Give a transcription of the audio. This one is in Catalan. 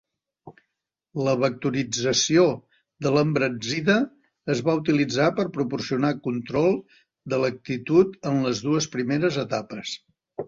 La vectorització de l'embranzida es va utilitzar per proporcionar control de l'actitud en les dues primeres etapes.